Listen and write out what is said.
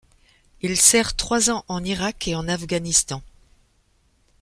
Il sert trois ans en Irak et en Afghanistan.